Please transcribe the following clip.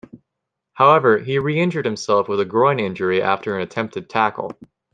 However, he re-injured himself with a groin injury after an attempted tackle.